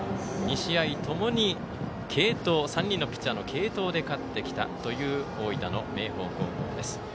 ２試合ともに３人のピッチャーの継投で勝ってきた大分、明豊高校です。